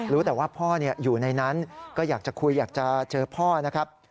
รู้แต่ว่าพ่ออยู่ในนั้นก็อยากจะคุยอยากจะเจอพ่อนะครับ